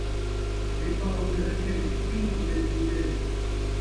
غریباں روزے رکھے ، ݙین٘ھ وݙے تھی ڳئے